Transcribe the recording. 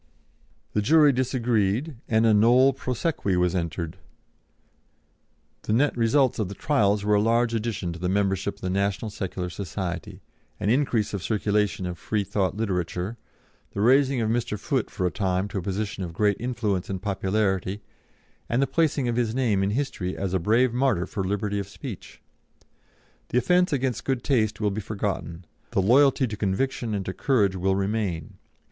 The jury disagreed, and a nolle prosequi was entered. The net results of the trials were a large addition to the membership of the National Secular Society, an increase of circulation of Freethought literature, the raising of Mr. Foote for a time to a position of great influence and popularity, and the placing of his name in history as a brave martyr for liberty of speech. The offence against good taste will be forgotten; the loyalty to conviction and to courage will remain.